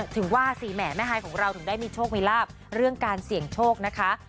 ถึงว่าสี่แหมแม่ฮายของเราถึงได้มีโชคมีลาบเรื่องการเสี่ยงโชคนะคะ